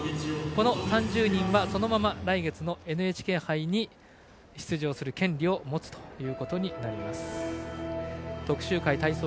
この３０人はそのまま来月のＮＨＫ杯に出場する権利を持ちます。